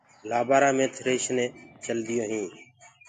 لآبآرآ مي ٿريشرينٚ چلديونٚ هينٚ۔